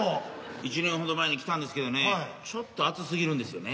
１年ほど前に来たんですけどねちょっと熱すぎるんですよね。